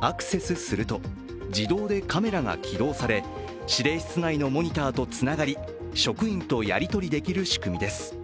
アクセスすると、自動でカメラが起動され指令室内のモニターとつながり、職員とやりとりできる仕組みです。